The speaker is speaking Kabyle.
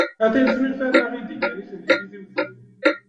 Atan snulfan-aɣ-d ikanicen di Tizi-Wezzu.